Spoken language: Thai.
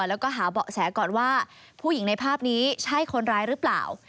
แล้วก็หาเบาะแสก่อนว่าผู้หญิงในภาพนี้ใช่คนร้ายหรือเปล่า